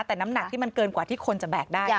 แต่น้ำหนักที่มันเกินกว่าที่คนจะแบกได้